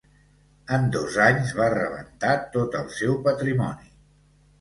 En dos anys va rebentar tot el seu patrimoni.